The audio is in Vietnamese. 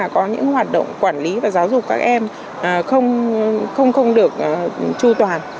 có những hoạt động quản lý và giáo dục các em không được tru toàn